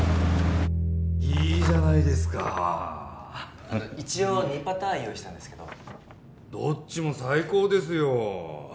いいじゃないですか一応２パターン用意したんですけどどっちも最高ですよ